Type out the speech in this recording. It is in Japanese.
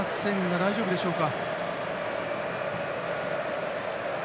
大丈夫でしょうか。